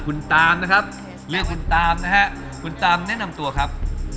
คุณตามนะครับเลือกคุณตามนะฮะคุณตามแนะนำตัวครับ